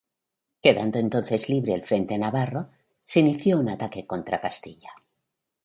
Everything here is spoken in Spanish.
Quedando entonces libre el frente navarro, se inició un ataque contra Castilla.